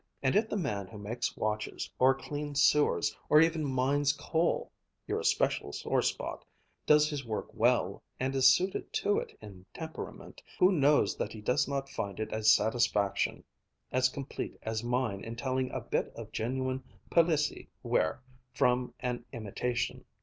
And if the man who makes watches, or cleans sewers, or even mines coal your especial sore spot does his work well, and is suited to it in temperament, who knows that he does not find it a satisfaction as complete as mine in telling a bit of genuine Palissy ware from an imitation.